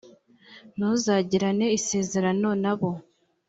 ntuzagirane isezerano nabo .